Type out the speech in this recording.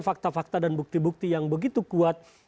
fakta fakta dan bukti bukti yang begitu kuat